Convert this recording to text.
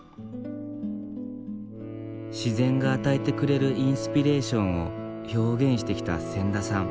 自然が与えてくれるインスピレーションを表現してきた千田さん。